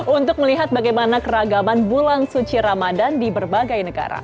untuk melihat bagaimana keragaman bulan suci ramadan di berbagai negara